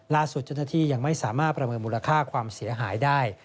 ล่าสุดเจ้าหน้าที่ยังไม่สามารถประเมินมูลค่าความเสียหายได้